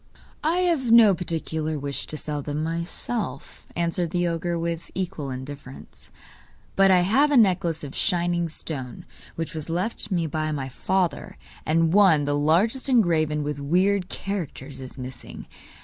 'I have no particular wish to sell them myself,' answered the ogre, with equal indifference. 'But I have a necklace of shining stones which was left me by father, and one, the largest engraven with weird characters, is missing.